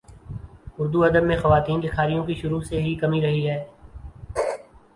اردو ادب میں خواتین لکھاریوں کی شروع ہی سے کمی رہی ہے